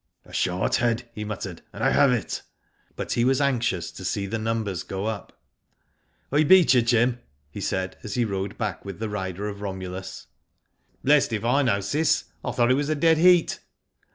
*' A short head," he muttered ;" and I have it." But he was anxious to see the numbers go up. " I beat you, Jim," he said, as he rode back with the rider of Romulus Digitized byGOQgk 272 WHO DID ITt